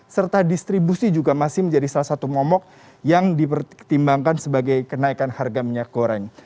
serta distribusi juga masih menjadi salah satu momok yang dipertimbangkan sebagai kenaikan harga minyak goreng